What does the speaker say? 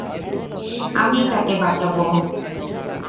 আমিই তাকে বাঁচাব।